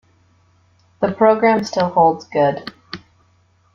The programme still holds good.